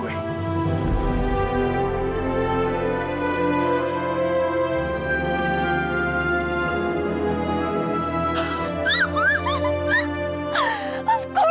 gue bisa gue mau jadi pacar kamu